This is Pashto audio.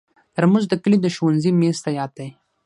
ترموز د کلي د ښوونځي میز ته یاد دی.